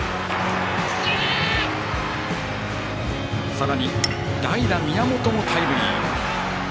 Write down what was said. さらに代打、宮本のタイムリー。